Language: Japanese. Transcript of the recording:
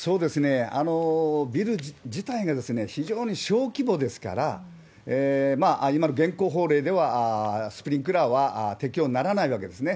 ビル自体が非常に小規模ですから、今の現行法令ではスプリンクラーは適用にならないわけですね。